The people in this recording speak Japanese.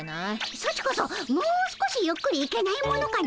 ソチこそもう少しゆっくり行けないものかの？